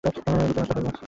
আর উপায় পেলে না!